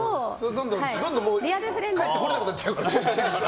どんどん帰ってこれなくなっちゃうから。